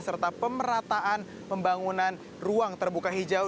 serta pemerataan pembangunan ruang terbuka hijau